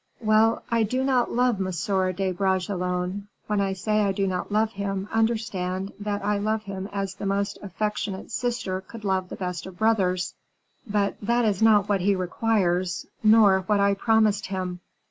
"Well; I do not love M. de Bragelonne; when I say I do not love him, understand that I love him as the most affectionate sister could love the best of brothers, but that is not what he requires, nor what I promised him."